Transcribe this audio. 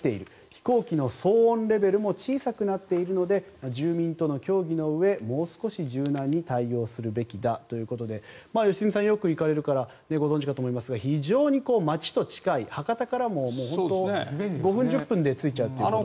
飛行機の騒音レベルも小さくなっているので住民との協議のうえもう少し柔軟に対応するべきだということで良純さん、よく行かれるからご存じかと思いますが非常に街と近い博多からも本当５分、１０分で着いちゃうということで。